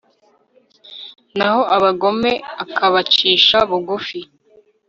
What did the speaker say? naho abagome akabacisha bugufi